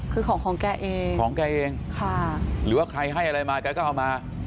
คือของของแกเองของแกเองค่ะหรือว่าใครให้อะไรมาแกก็เอามา